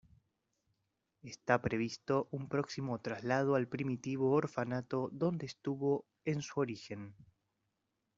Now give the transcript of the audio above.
Está previsto un próximo traslado al primitivo orfanato donde estuvo en su origen.